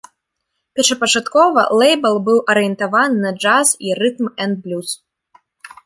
Першапачаткова лэйбл быў арыентаваны на джаз і рытм-энд-блюз.